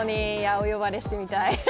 お呼ばれしてみたい。